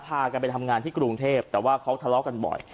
พากันไปทำงานที่กรุงเทพแต่ว่าเขาทะเลาะกันบ่อย